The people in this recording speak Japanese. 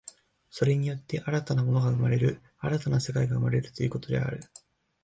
それによって新たな物が生まれる、新たな世界が生まれるということである。